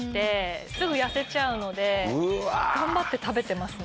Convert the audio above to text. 頑張って食べてますね。